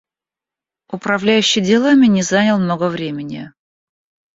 Управляющий делами не занял много времени.